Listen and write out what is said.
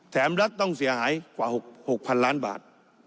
รัฐต้องเสียหายกว่า๖๐๐๐ล้านบาท